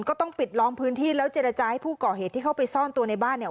ก็ต้องปิดล้อมพื้นที่แล้วเจรจาให้ผู้ก่อเหตุที่เข้าไปซ่อนตัวในบ้านเนี่ย